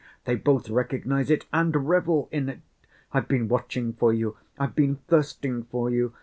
They both recognize it and revel in it. I've been watching for you! I've been thirsting for you!